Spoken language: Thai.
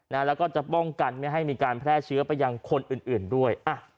แล้วก็จะป้องกันไม่ให้มีการแพร่เชื้อไปยังคนอื่นด้วย